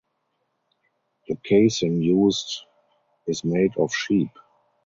The casing used is made of sheep.